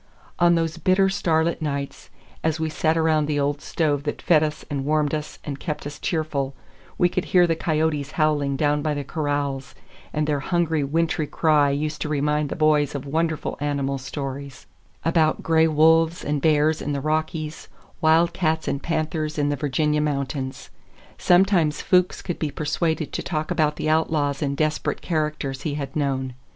On those bitter, starlit nights, as we sat around the old stove that fed us and warmed us and kept us cheerful, we could hear the coyotes howling down by the corrals, and their hungry, wintry cry used to remind the boys of wonderful animal stories; about gray wolves and bears in the Rockies, wildcats and panthers in the Virginia mountains. Sometimes Fuchs could be persuaded to talk about the outlaws and desperate characters he had known.